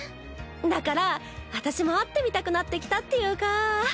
だから私も会ってみたくなってきたっていうかぁ。